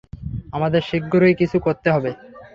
আমাদের শীঘ্রই কিছু করতে হবে।